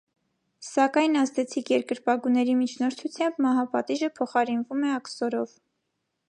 Սակայն ազդեցիկ երկրպագուների միջնորդությամբ մահապատիժը փոխարինվում է աքսորով։